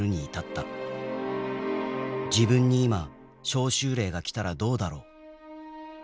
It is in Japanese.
自分に今召集令が来たら何うだろう。